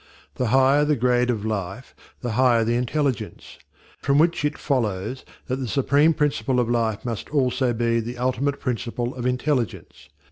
The higher the grade of life, the higher the intelligence; from which it follows that the supreme principle of Life must also be the ultimate principle of intelligence.